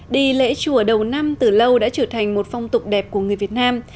đi lễ chùa đầu năm từ lâu đã trở thành một phong tục đẹp của người việt nam